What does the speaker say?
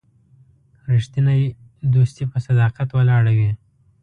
رښتینی دوستي په صداقت ولاړه وي.